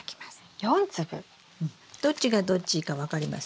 どっちがどっちか分かります？